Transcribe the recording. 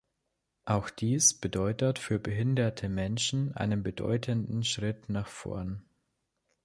Auch dies bedeutet für behinderte Menschen einen bedeutenden Schritt nach vorn.